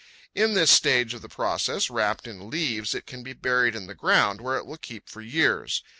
In this stage of the process, wrapped in leaves, it can be buried in the ground, where it will keep for years.